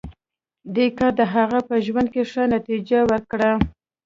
دې کار د هغه په ژوند کې ښه نتېجه ورکړه